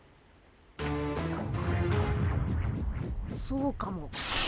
そうかも。